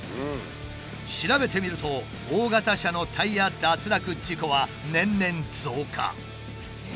調べてみると大型車のタイヤ脱落事故は年々増加。